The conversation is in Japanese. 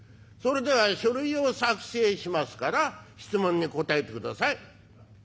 それでは書類を作成しますから質問に答えてください」。